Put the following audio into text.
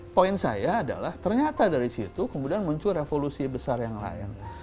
poin saya adalah ternyata dari situ kemudian muncul revolusi besar yang lain